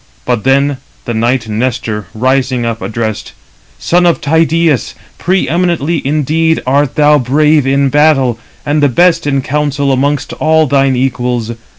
But them the knight Nestor, rising up, addressed: "Son of Tydeus, pre eminently indeed art thou brave in battle, and the best in council amongst all thine equals.